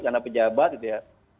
karena pejabat gitu ya